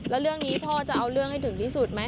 แล้วเรื่องนี้พ่อจะเอาเรื่องให้ถึงที่สุดไหม